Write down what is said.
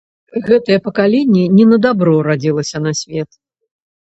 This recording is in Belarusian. Гэтае пакаленне не на дабро радзілася на свет.